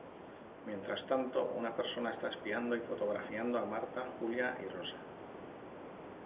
Mientras tanto una persona está espiando y fotografiando a Marta, Julia y Rosa.